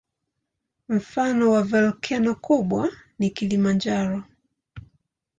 Mfano wa volkeno kubwa ni Kilimanjaro.